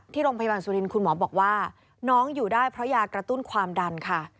โรงพยาบาลสุรินทร์คุณหมอบอกว่าน้องอยู่ได้เพราะยากระตุ้นความดันค่ะ